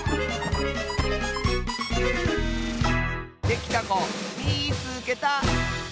できたこみいつけた！